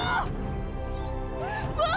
aku bukan membunuh